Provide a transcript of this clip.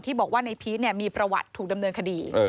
บอกว่าในพีชมีประวัติถูกดำเนินคดี